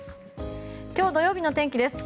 今日土曜日の天気です。